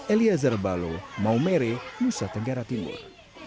elia zerbalo maumere nusa tenggara timur